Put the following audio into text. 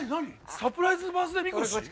サプライズバースデーみこし？